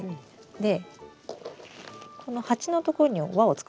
でこの鉢のところに輪を作ってましたよね。